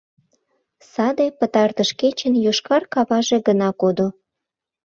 Саде Пытартыш кечын йошкар каваже гына кодо.